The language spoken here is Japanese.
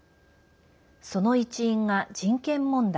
その一因が人権問題。